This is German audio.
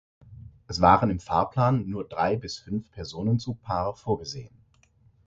Es waren im Fahrplan nur drei bis fünf Personenzugpaare vorgesehen.